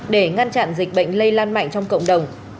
để ngăn chặn dịch bệnh lây lan mạnh trong cộng đồng